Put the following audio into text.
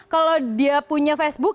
kalau dia punya facebook